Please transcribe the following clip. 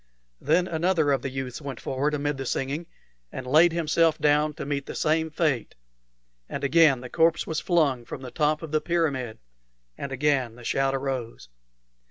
Then another of the youths went forward amid the singing, and laid himself down to meet the same fate; and again the corpse was flung from the top of the pyramid, and again the shout arose.